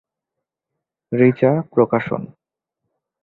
Richa প্রকাশন।